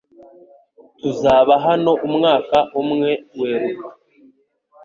Tuzaba hano umwaka umwe Werurwe.